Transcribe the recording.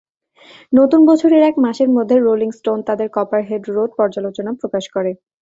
নতুন বছরের এক মাসের মধ্যে, "রোলিং স্টোন" তাদের "কপারহেড রোড" পর্যালোচনা প্রকাশ করে।